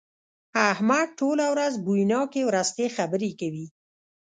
احمد ټوله ورځ بويناکې ورستې خبرې کوي.